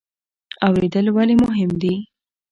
اوریدل ولې مهم دي؟